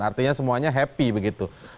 artinya semuanya happy begitu